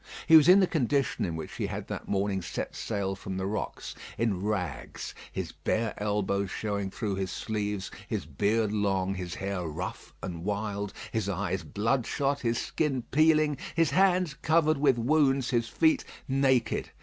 He was in the condition in which he had that morning set sail from the rocks; in rags, his bare elbows showing through his sleeves; his beard long, his hair rough and wild; his eyes bloodshot, his skin peeling, his hands covered with wounds; his feet naked.